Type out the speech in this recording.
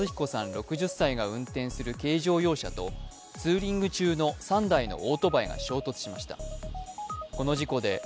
６０歳が運転する軽乗用車とツーリング中の３台のオートバイが衝突しました。